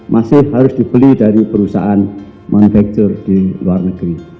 masih harus dibeli dari perusahaan manufaktur di luar negeri